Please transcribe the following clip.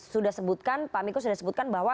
sudah sebutkan pak miko sudah sebutkan bahwa